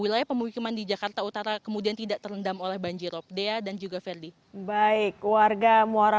bagaimana agar wilayah pemukul tanah ini tidak terus turun